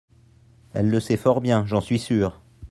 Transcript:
elle le sait fort bien, j'en suis sur.